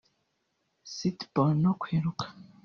sitball no kwiruka